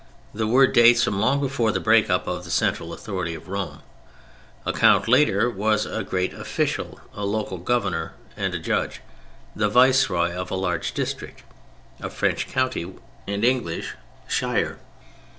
The word dates from long before the break up of the central authority of Rome. A count later was a great official: a local governor and judge—the Vice Roy of a large district (a French county and English shire).